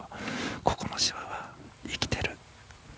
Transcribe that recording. ここの芝は生きている。